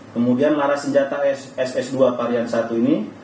kemudian laras senjata ss dua varian satu ini